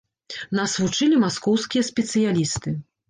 Нас вучылі маскоўскія спецыялісты.